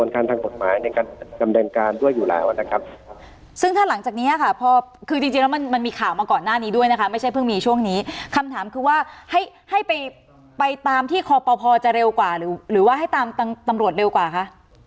คำถามคือว่าให้ไปตามที่คอปภจะเร็วกว่าหรือว่าให้ตามตำรวจเร็วกว่าคะ